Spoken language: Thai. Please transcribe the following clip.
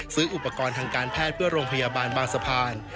ซื้ออุปกรณ์ทางการแพทย์เพื่อโรงพยาบาลบางสะพาน